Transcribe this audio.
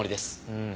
うん。